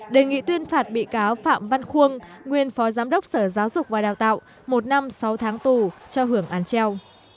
đề nghị tuyên phạt bị cáo phạm văn khuôn nguyên phó giám đốc sở giáo dục và đào tạo một năm sáu tháng tù cho hưởng án treo